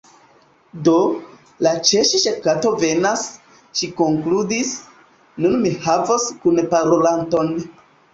"Do, la Ĉeŝŝa_ Kato venas," ŝi konkludis, "nun mi havos kunparolanton."